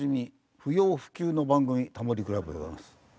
不要不急の番組『タモリ倶楽部』でございます。